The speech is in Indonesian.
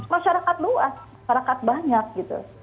masyarakat luas masyarakat banyak gitu